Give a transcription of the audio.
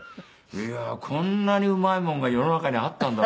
いやーこんなにうまいもんが世の中にあったんだ。